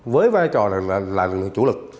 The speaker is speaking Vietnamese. với vai trò là lực lượng chủ lực